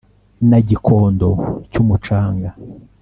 Na Gikondo cy'umucanga